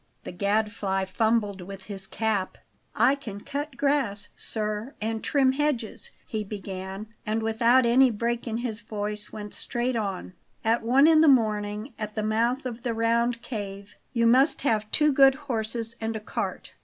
The Gadfly fumbled with his cap. "I can cut grass, sir, and trim hedges" he began; and without any break in his voice, went straight on: "At one in the morning at the mouth of the round cave. You must have two good horses and a cart.